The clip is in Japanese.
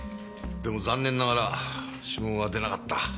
でも残念ながら指紋は出なかった。